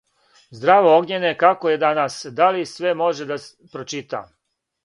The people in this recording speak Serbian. Zdravo Ognjene, kako je danas? Da li sve može da pročita?